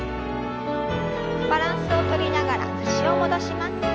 バランスをとりながら脚を戻します。